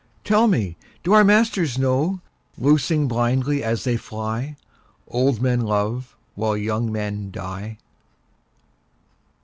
Tell me, do our masters know, Loosing blindly as they fly, Old men love while young men die?